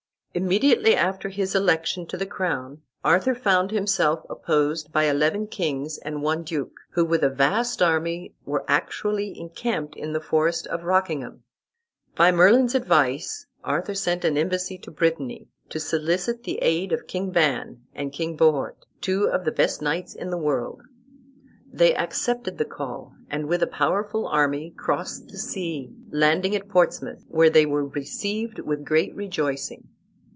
Immediately after his election to the crown, Arthur found himself opposed by eleven kings and one duke, who with a vast army were actually encamped in the forest of Rockingham. By Merlin's advice Arthur sent an embassy to Brittany, to solicit the aid of King Ban and King Bohort, two of the best knights in the world. They accepted the call, and with a powerful army crossed the sea, landing at Portsmouth, where they were received with great rejoicing.